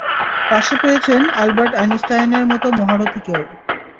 পাশে পেয়েছেন আলবার্ট আইনস্টাইনের মতো মহারথীকেও।